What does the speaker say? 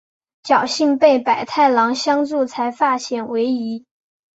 侥幸被百太郎相助才化险为夷。